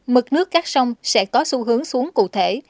mực nước các sông sẽ có xu hướng xuống cụ thể